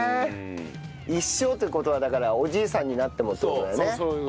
一生っていう事はだからおじいさんになってもって事だよね。